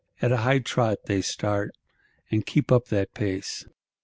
At a high trot they start; and keep up that pace.